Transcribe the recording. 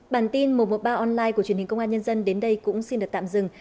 bản tin một trăm một mươi ba online của truyền hình công an nhân dân đến đây cũng xin được tạm dừng